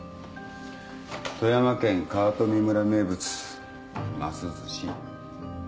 富山県川冨村名物ますずし。